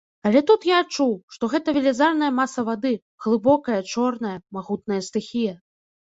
А тут я адчуў, што гэта велізарная маса вады, глыбокая, чорная, магутная стыхія.